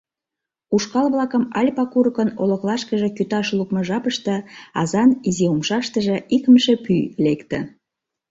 Ушкал-влакым Альпа курыкын олыклашкыже кӱташ лукмо жапыште азан изи умшаштыже икымше пӱй лекте.